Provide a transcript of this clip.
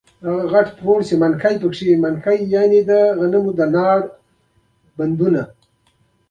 د پېژندلو وېرېږي نو ارومرو کوم جرم یې ترسره کړی.